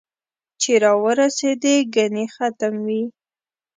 چې را ورېسېدې ګنې ختم وې